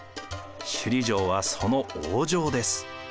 首里城はその王城です。